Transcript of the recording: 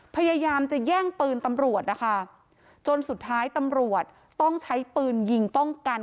พยายามจะแย่งปืนตำรวจนะคะจนสุดท้ายตำรวจต้องใช้ปืนยิงป้องกัน